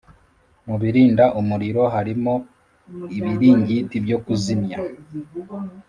Mu birinda umuriro harimo ibiringiti byo kuzimya